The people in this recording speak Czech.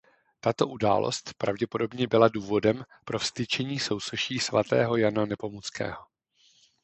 Tato událost pravděpodobně byla důvodem pro vztyčení sousoší svatého Jana Nepomuckého.